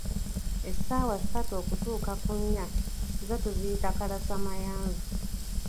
Essaawa ssatu okutuuka ku nnya, zo tuziyita kalasa mayanzi.